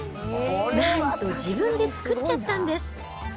なんと自分で作っちゃったんです。